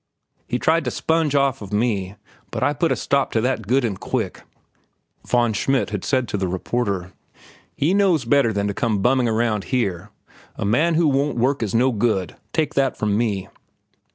"He tried to sponge off of me, but I put a stop to that good and quick," Von Schmidt had said to the reporter. "He knows better than to come bumming around here. A man who won't work is no good, take that from me."